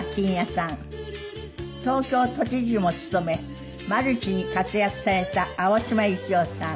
東京都知事も務めマルチに活躍された青島幸男さん。